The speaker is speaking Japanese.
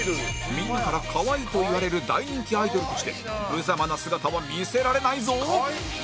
みんなから可愛いといわれる大人気アイドルとしてぶざまな姿は見せられないぞ